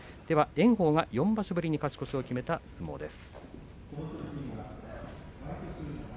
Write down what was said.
炎鵬が４場所ぶりに勝ち越しを決めた相撲です。